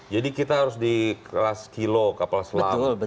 jadi kita harus di kelas kilo kapal selam